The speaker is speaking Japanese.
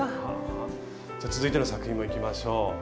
じゃあ続いての作品もいきましょう。